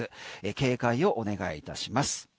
警戒をお願いいたします。